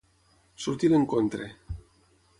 Sortir a l'encontre.